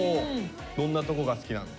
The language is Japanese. どんなとこが好きなの？